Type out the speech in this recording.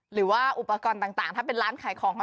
หรือว่าอุปกรณ์ต่างถ้าเป็นร้านขายของ